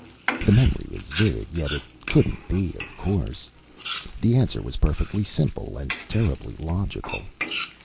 The memory was vivid, yet it couldn't be, of course. The answer was perfectly simple and terribly logical.